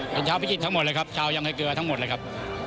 เป็นชาวพิจิตรทั้งหมดเลยครับชาวยังไฮเกลือทั้งหมดเลยครับ